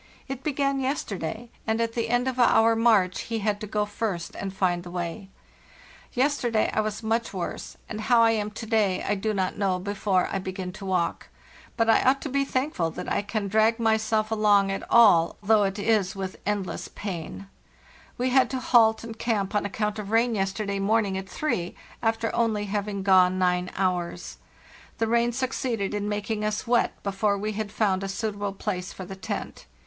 It began yesterday, and at the end of our march he had to go first and find the way. Yesterday I was much worse, and how I am to day I do not know before I begin to walk; ) "INCREDIBLY SLOW PROGRESS' but I ought to be thankful that I can drag myself along at all, though it is with endless pain. We had to halt and camp on account of rain yesterday morning at three, after only having gone nine hours, The rain succeeded in making us wet before we had found a suitable place for the tent.